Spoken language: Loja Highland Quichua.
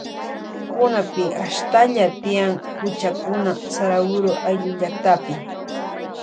Kunapi ashtalla tiyan huchakuna Saraguroayllu llaktapi.